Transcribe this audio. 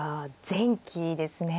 前期ですね。